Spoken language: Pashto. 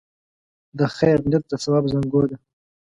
د خیر نیت د ثواب زانګو ده.